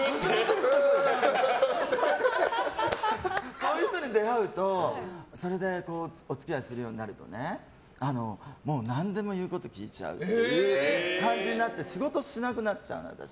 そういう人に出会うとそれでお付き合いするようになるとねもう何でも言うこと聞いちゃう感じになって仕事をしなくなっちゃうの。